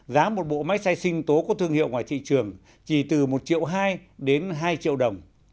giá một bộ máy xay sinh tố của thương hiệu ngoài thị trường chỉ từ một hai triệu đến hai triệu đồng